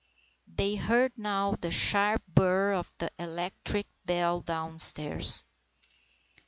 They heard now the sharp burr of the electric bell downstairs.